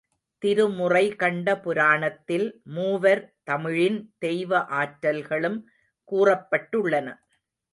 திருமுறைகண்ட புராணத்தில், மூவர் தமிழின் தெய்வ ஆற்றல்களும் கூறப்பட்டுள்ளன.